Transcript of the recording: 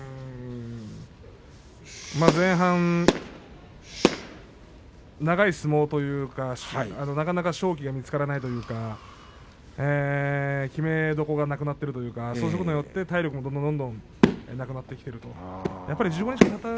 前半長い相撲というかなかなか勝機が見つからないというか決めどころがなくなっているというか体力もどんどんなくなってきているところがある。